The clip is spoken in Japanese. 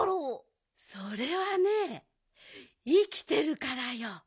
それはねいきてるからよ。